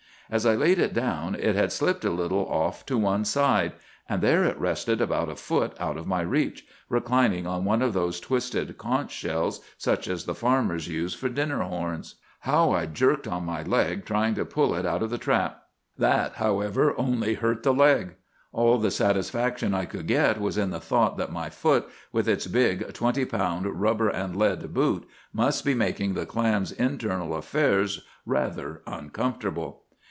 As I laid it down, it had slipped a little off to one side; and there it rested about a foot out of my reach, reclining on one of those twisted conch shells such as the farmers use for dinner horns. "'How I jerked on my leg trying to pull it out of the trap! That, however, only hurt the leg. All the satisfaction I could get was in the thought that my foot, with its big, twenty pound, rubber and lead boot, must be making the clam's internal affairs rather uncomfortable.